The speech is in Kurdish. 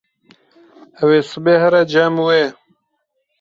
Ew ê sibê here cem wê.